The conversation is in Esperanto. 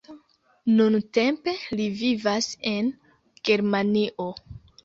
Nuntempe li vivas en Germanio.